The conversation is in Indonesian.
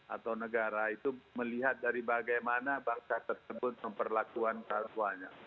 atau negara itu melihat dari bagaimana bangsa tersebut memperlakukan kartuanya